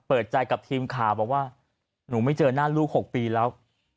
เปิดใจกับทีมข่าวบอกว่าหนูไม่เจอหน้าลูก๖ปีแล้ว